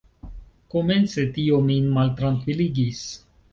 Komence tio min maltrankviligis.